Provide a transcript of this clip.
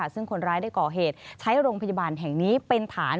ซึ่งคนร้ายได้ก่อเหตุใช้โรงพยาบาลแห่งนี้เป็นฐาน